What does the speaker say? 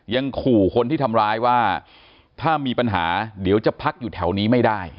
ยังขู่คนที่ทำร้ายว่าถ้ามีปัญหาเดี๋ยวจะพักอยู่แถวนี้ไม่ได้